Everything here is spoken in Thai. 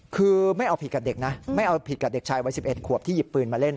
คือไม่เอาผิดกับเด็กนะไม่เอาผิดกับเด็กชายวัย๑๑ขวบที่หยิบปืนมาเล่น